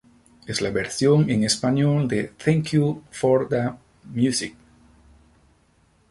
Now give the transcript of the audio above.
Es la versión en español de "Thank You For The Music".